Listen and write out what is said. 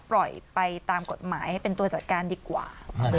ปล่อยไปตามกฎหมายให้เป็นตัวจัดการดีกว่า